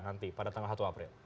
nanti pada tanggal satu april